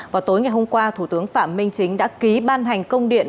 vào tối ngày hôm qua thủ tướng phạm minh chính đã ký ban hành công điện